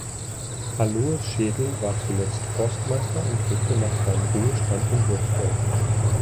Aloys Schedel war zuletzt Forstmeister und lebte nach seinem Ruhestand in Würzburg.